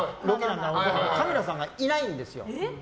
でもカメラさんがいないんですよ。